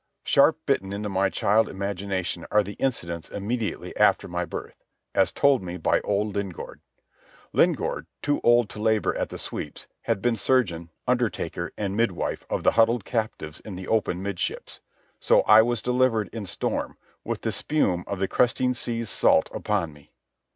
Sharp bitten into my child imagination are the incidents immediately after my birth, as told me by old Lingaard. Lingaard, too old to labour at the sweeps, had been surgeon, undertaker, and midwife of the huddled captives in the open midships. So I was delivered in storm, with the spume of the cresting seas salt upon me.